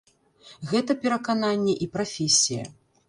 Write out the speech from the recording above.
Гэта перакананні і прафесія.